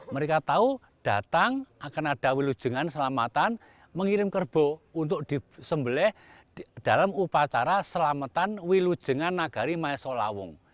mereka tahu datang akan ada wilujengan selamatan mengirim kerbau untuk disembelih dalam upacara selamatan wilujengan nagari maesolawung